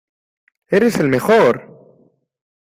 ¡Eres el mejor!